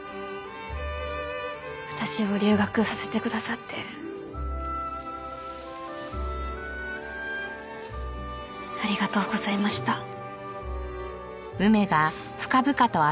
私を留学させてくださってありがとうございました。